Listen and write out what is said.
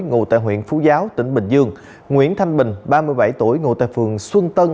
ngụ tại huyện phú giáo tỉnh bình dương nguyễn thanh bình ba mươi bảy tuổi ngụ tại phường xuân tân